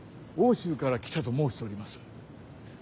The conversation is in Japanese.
奥州から来たと申しております。